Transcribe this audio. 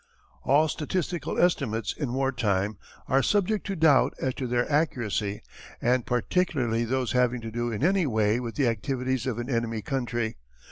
All statistical estimates in war time are subject to doubt as to their accuracy and particularly those having to do in any way with the activities of an enemy country.